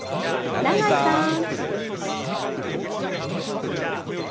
長井さん。